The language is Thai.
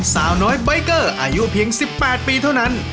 สาวน้อยใบเกอร์อายุเพียง๑๘ปีเท่านั้น